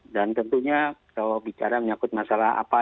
dan tentunya kalau bicara menyakut masalah apa